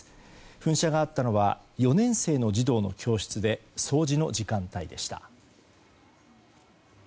噴射があったのは４年生の児童の教室で掃除の時間帯でした。